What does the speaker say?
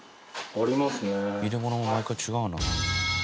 入れ物も毎回違うな。